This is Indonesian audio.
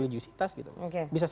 jangan mengandung pasalls